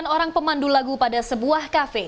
sembilan orang pemandu lagu pada sebuah kafe